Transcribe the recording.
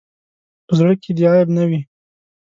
په زړۀ کې دې عیب نه وي.